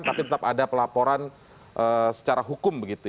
tapi tetap ada pelaporan secara hukum